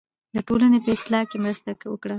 د ټولنې په اصلاح کې مرسته وکړئ.